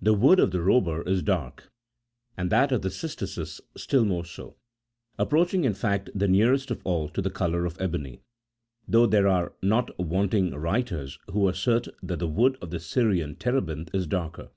The wood of the robur is dark, and that of the cy tisus25 still more so, approaching, in fact, the nearest of all to the colour of ebony; though there are not wanting writers who assert that the wood of the Syrian terebinth is darker.